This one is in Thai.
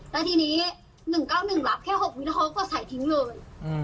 แล้วทีนี้๑๙๑รับแค่๖วิทเขาก็ใส่ทิ้งเลย